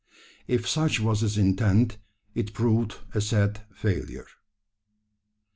If such was his intent it proved a sad failure.